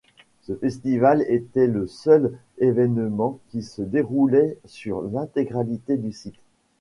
Ce festival était le seul événement qui se déroulait sur l'intégralité du site.